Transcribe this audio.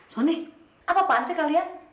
soni apaan sih kalian